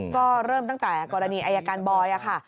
ก็เริ่มตั้งแต่กรณีอายการบอยค่ะ